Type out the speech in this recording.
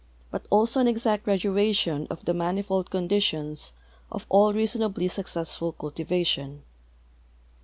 ut also an exact graduation of the mani fold conditions of all reasonably successful cultivation.